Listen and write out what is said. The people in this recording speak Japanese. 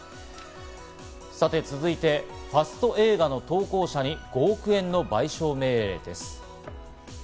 さて続いて、ファスト映画の投稿者に５億円の賠償命令です。